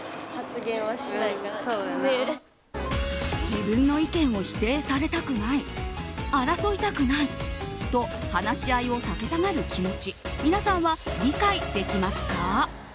自分の意見を否定されたくない争いたくないと話し合いを避けたがる気持ち皆さんは理解できますか？